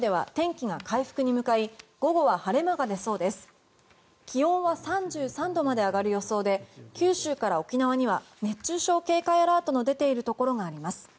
気温は３３度まで上がる予想で九州から沖縄には熱中症警戒アラートの出ているところがあります。